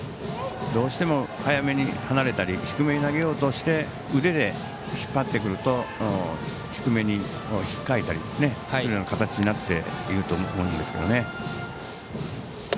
どうしても早めに離れたり低めに投げようとして腕で引っ張ってくると低めに引っかいたりするような形になっていると思うんですね。